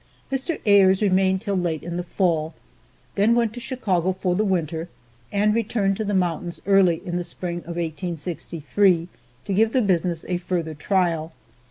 Mr. Ayres remained till late in the fall, then went to Chicago for the winter and returned to the mountains early in the spring of 1863, to give the business a further trial.